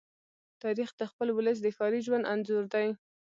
تاریخ د خپل ولس د ښاري ژوند انځور دی.